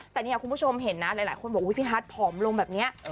แต่เนี่ยคุณผู้ชมเห็นนะหลายคนบอกพี่ฮัทผอมลงแบบนี้